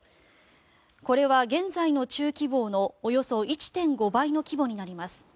これは現在の中期防のおよそ１．５倍の規模になります。